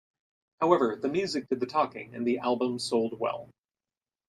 However, the music did the talking and the album sold well.